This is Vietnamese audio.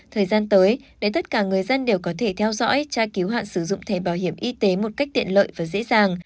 thời gian tới đến tất cả người dân đều có thể theo dõi tra cứu hạn sử dụng thẻ bảo hiểm y tế một cách tiện lợi và dễ dàng